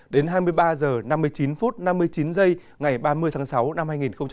đến hai mươi ba giờ năm mươi chín phút năm mươi chín giây ngày ba mươi tháng sáu năm hai nghìn một mươi chín